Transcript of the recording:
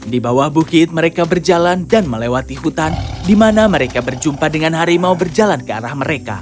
di bawah bukit mereka berjalan dan melewati hutan di mana mereka berjumpa dengan harimau berjalan ke arah mereka